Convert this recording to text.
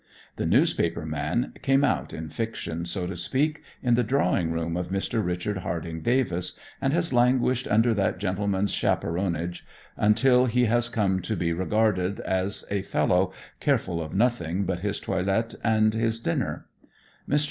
The newspaper man "came out" in fiction, so to speak, in the drawing room of Mr. Richard Harding Davis, and has languished under that gentleman's chaperonage until he has come to be regarded as a fellow careful of nothing but his toilet and his dinner. Mr.